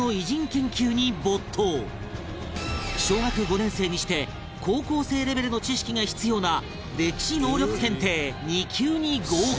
そこから小学５年生にして高校生レベルの知識が必要な歴史能力検定２級に合格